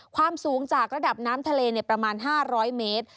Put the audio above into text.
ความสูงจากระดับน้ำทะเลประมาณ๕๐๐เมตร